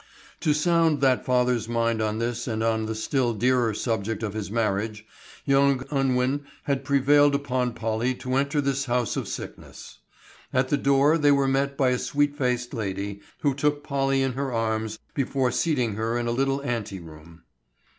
To sound that father's mind on this and on the still dearer subject of his marriage, young Unwin had prevailed upon Polly to enter this house of sickness. At the door they were met by a sweet faced lady, who took Polly in her arms before seating her in a little ante room.